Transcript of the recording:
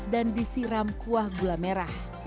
dan disiram kuah gula merah